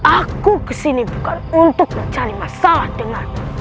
aku kesini bukan untuk mencari masalah denganmu